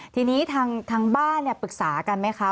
ทีนี้ทางบ้านปรึกษากันไหมคะ